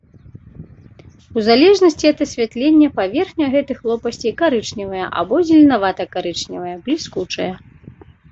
У залежнасці ад асвятлення паверхня гэтых лопасцей карычневая або зеленавата-карычневая, бліскучая.